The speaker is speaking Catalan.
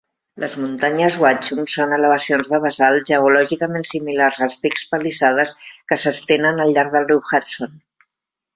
Les muntanyes Watchung són elevacions de basalt, geològicament similars als pics Palisades, que s'estenen al llarg del riu Hudson.